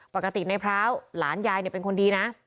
ปกติในพร้าวหลานยายเป็นคนดีนะ